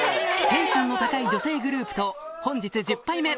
テンションの高い女性グループと本日１０杯目